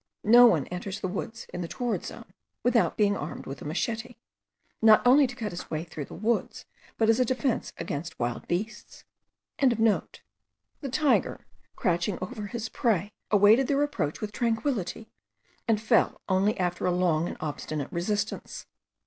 No one enters the woods in the torrid zone without being armed with a machete, not only to cut his way through the woods, but as a defence against wild beasts.) The tiger, crouching over his prey, awaited their approach with tranquillity, and fell only after a long and obstinate resistance.